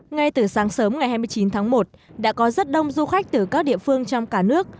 ngay từ sáng sớm ngày hai mươi chín tháng một đã có rất đông du khách từ các địa phương trong cả nước